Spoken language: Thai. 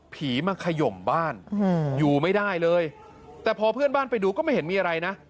ผีมาขยมบ้านอยู่ไม่ได้เลยแต่พอเพื่อนบ้านไปดูก็ไม่เห็นมีอะไรนะ